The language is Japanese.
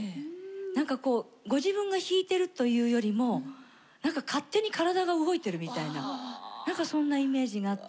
なんかこうご自分が弾いてるというよりもなんか勝手に体が動いてるみたいななんかそんなイメージがあって。